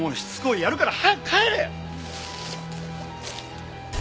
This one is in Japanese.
やるから早く帰れ！